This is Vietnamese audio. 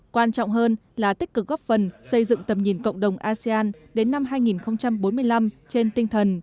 quan trọng hơn là tích cực góp phần xây dựng tầm nhìn cộng đồng asean đến năm hai nghìn bốn mươi năm trên tinh thần